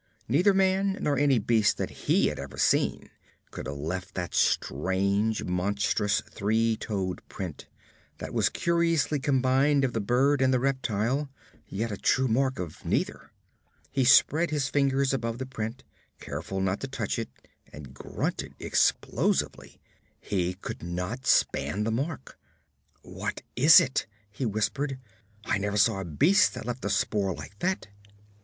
Neither man nor any beast that he had ever seen could have left that strange, monstrous three toed print, that was curiously combined of the bird and the reptile, yet a true type of neither. He spread his fingers above the print, careful not to touch it, and grunted explosively. He could not span the mark. 'What is it?' he whispered. 'I never saw a beast that left a spoor like that.'